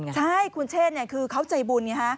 ใช่คุณเชษคือเขาใจบุญไงฮะ